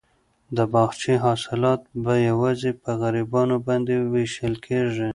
د باغچې حاصلات به یوازې په غریبانو باندې وېشل کیږي.